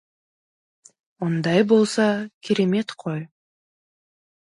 Ондай болса, керемет қой!